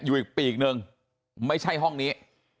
อยู่อีกปีกหนึ่งไม่ใช่ห้องนี้